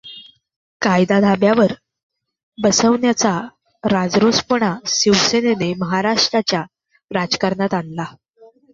कायदा धाब्यावर बसवण्याचा राजरोसपणा शिवसेनेने महाराष्टाच्या राजकारणात आणला.